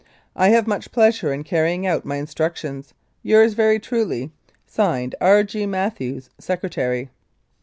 "I have much pleasure in carrying out my instruc tions. Yours very truly, "(Signed) R. G. MATHEWS, "Secretary."